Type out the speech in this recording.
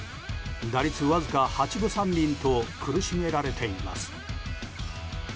打率わずか８分３厘と苦しめられています。